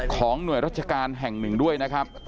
ของหน่วยราชการแห่งหนึ่งด้วยนะครับ